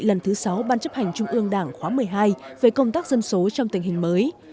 lần thứ sáu ban chấp hành trung ương đảng khóa một mươi hai về công tác dân số trong tình hình mới